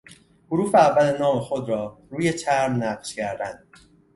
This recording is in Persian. حروف اول نام خود را روی چرم نقش کردن